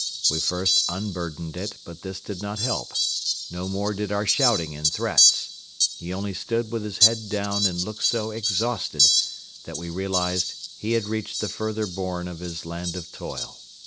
We first unburdened it but this did not help; no more did our shouting and threats. He only stood with his head down and looked so exhausted that we realized he had reached the further bourne of his land of toil.